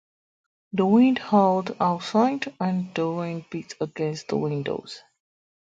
The wind howled outside, and the rain beat against the windows.